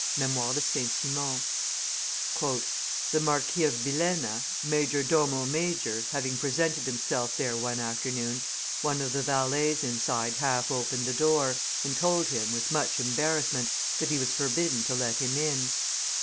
[Memoires de St. Simon, t. xv.] "The Marquis of Villena, major domo major, having presented himself there one afternoon, one of the valets inside half opened the door, and told him, with much embarrassment, that he was forbidden to let him in.